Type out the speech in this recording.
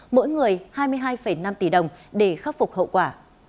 mỗi người hai mươi hai năm tỷ đồng để khắc phục hậu quả